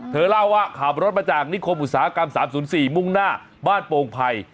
เธอเล่าว่าขับรถมาจากนิคมอุตสาหกรรม๓๐๔มุ่งหน้าบ้านโปรงภัย